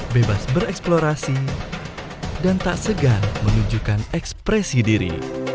bebas bereksplorasi dan tak segan menunjukkan ekspresi diri